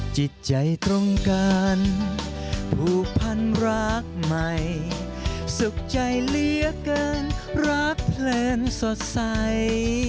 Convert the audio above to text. จิตใจตรงกันผูกพันรักใหม่สุขใจเหลือเกินรักเพลินสดใส